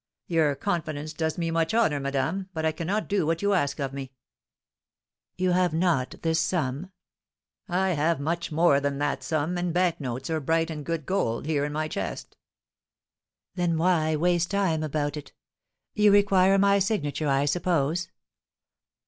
"Your confidence does me much honour, madame; but I cannot do what you ask of me." "You have not this sum?" "I have much more than that sum, in bank notes or bright and good gold, here in my chest." "Then why waste time about it? You require my signature, I suppose?